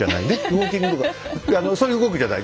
ウォーキングとかそういう「動く」じゃない。